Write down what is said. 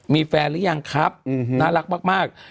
มีแฟนหรือยังครับน่ารักมาก